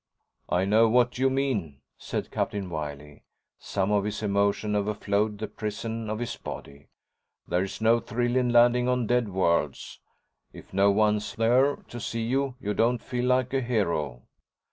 "I know what you mean," said Captain Wiley. Some of his emotion overflowed the prison of his body. "There's no thrill in landing on dead worlds. If no one's there to see you, you don't feel like a hero."